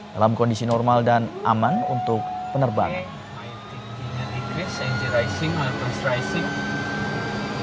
dalam kondisi normal dan aman untuk penerbangan